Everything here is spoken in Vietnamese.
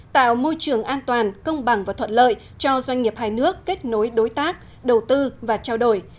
tạo môi trường an toàn công bằng và thuận lợi cho doanh nghiệp hai nước kết nối đối tác đầu tư và trao đổi